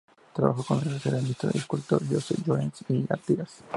Trabajó con el ceramista i escultor Josep Llorens i Artigas.